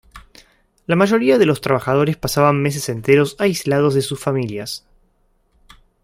La mayoría de los trabajadores pasaban meses enteros aislados de sus familias.